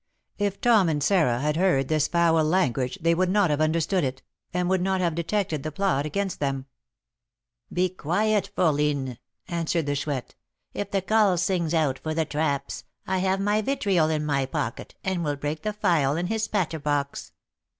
If Tom and Sarah had heard this foul language, they would not have understood it, and would not have detected the plot against them. "Be quiet, fourline," answered the Chouette; "if the 'cull' sings out for the 'traps,' I have my vitriol in my pocket, and will break the phial in his 'patter box.'